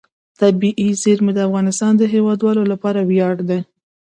طبیعي زیرمې د افغانستان د هیوادوالو لپاره ویاړ دی.